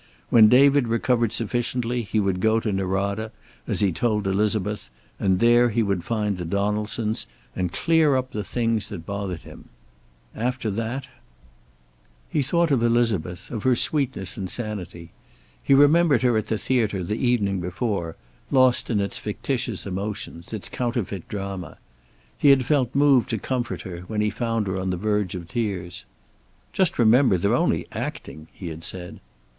When David recovered sufficiently he would go to Norada, as he had told Elizabeth, and there he would find the Donaldsons, and clear up the things that bothered him. After that He thought of Elizabeth, of her sweetness and sanity. He remembered her at the theater the evening before, lost in its fictitious emotions, its counterfeit drama. He had felt moved to comfort her, when he found her on the verge of tears. "Just remember, they're only acting," he had said.